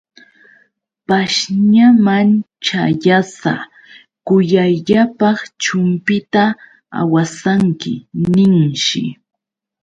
Pashñaman ćhayasa: Kuyayllapaq chumpita awasanki, ninshi.